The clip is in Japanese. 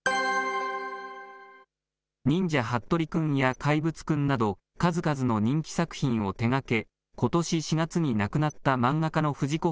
忍者ハットリくんや怪物くんなど、数々の人気作品を手がけ、ことし４月に亡くなった漫画家の藤子